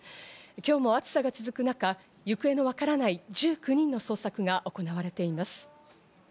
今日も暑さが続く中、行方が分からない１９人の捜索が行われています。